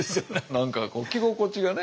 何か着心地がね